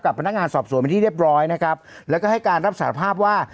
พนักงานสอบสวนเป็นที่เรียบร้อยนะครับแล้วก็ให้การรับสารภาพว่า